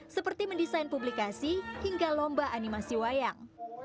seperti mendesain publikasi hingga lomba animasi wayang